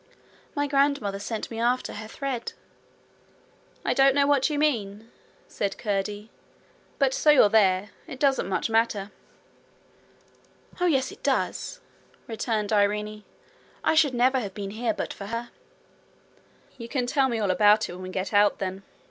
'My grandmother sent me after her thread.' 'I don't know what you mean,' said Curdie; 'but so you're there, it doesn't much matter.' 'Oh, yes, it does!' returned Irene. 'I should never have been here but for her.' 'You can tell me all about it when we get out, then.